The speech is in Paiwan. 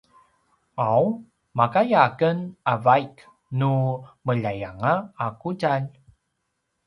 ’aw makaya aken a vaik nu meljayanga a ’udjalj?